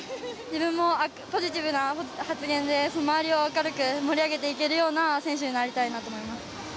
自分もポジティブな発言で周りを明るく盛り上げていけるような選手になりたいなと思います。